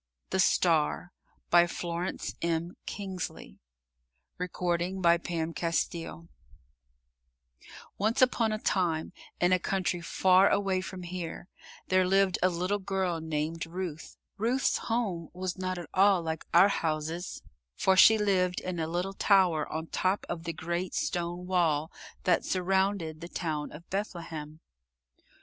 THE STAR[*] By Florence M. Kingsley Once upon a time in a country far away from here, there lived a little girl named Ruth. Ruth's home was not at all like our houses, for she lived in a little tower on top of the great stone wall that surrounded the town of Bethlehem.